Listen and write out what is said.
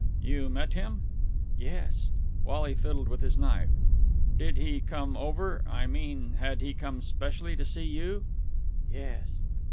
"You met him?" "Yes." Wally fiddled with his knife. "Did he come over.... I mean ... had he come specially to see you?" "Yes."